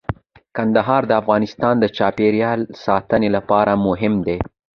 کندهار د افغانستان د چاپیریال ساتنې لپاره مهم دي.